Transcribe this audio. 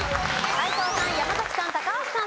斎藤さん山崎さん高橋さん